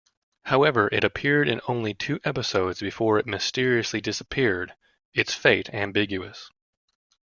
However, it appeared in only two episodes before it mysteriously disappeared, its fate ambiguous.